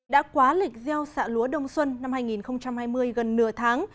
đã quá lịch gieo xạ lúa đông xuân năm hai nghìn hai mươi gần nửa tháng